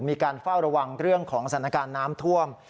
มีการเฝ้าระวังเรื่องของสถานการณ์น้ำท่วม